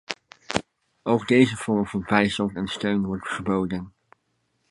Ook deze vorm van bijstand en steun wordt geboden.